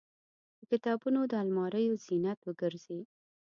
د کتابتونونو د الماریو زینت وګرځي.